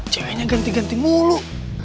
ceweknya ganti ganti mulu